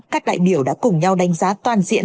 các đại biểu đã cùng nhau đánh giá toàn diện